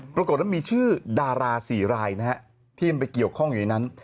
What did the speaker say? ปรากฏว่ามีชื่อดารา๔รายนะฮะที่มันไปเกี่ยวข้องอยู่ในนั้น